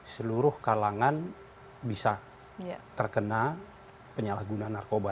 seluruh kalangan bisa terkena penyalahgunaan narkoba